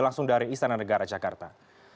langsung dari istana negara jakarta